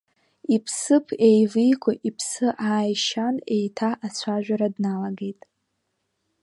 Исԥыԥ еивиго иԥсы ааишьан еиҭа ацәажәара дналагеит.